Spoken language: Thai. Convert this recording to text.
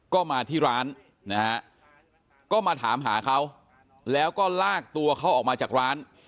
ก็มาที่ร้านนะฮะก็มาถามหาเขาแล้วก็ลากตัวเขาออกมาจากร้าน